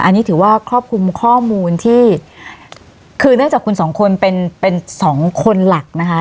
อันนี้ถือว่าครอบคลุมข้อมูลที่คือเนื่องจากคุณสองคนเป็นเป็นสองคนหลักนะคะ